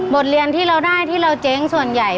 เรียนที่เราได้ที่เราเจ๊งส่วนใหญ่